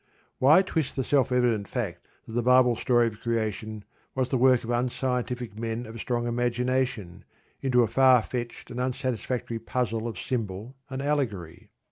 Why twist the self evident fact that the Bible story of creation was the work of unscientific men of strong imagination into a far fetched and unsatisfactory puzzle of symbol and allegory?